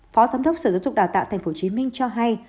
phó giám đốc sở giáo dục đào tạo tp hcm cho hay